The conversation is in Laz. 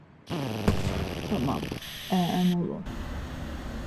Tamam, ehe mulun.